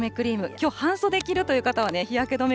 きょう、半袖着るという方はね、日焼け止め